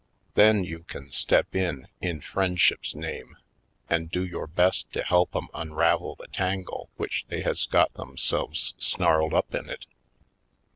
Then you can step in, in friendship's name, and do your best to help 'em unravel the tangle which they has got themselves snarled up in it.